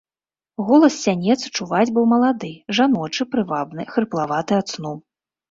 Голас з сянец чуваць быў малады, жаночы, прывабны, хрыплаваты ад сну.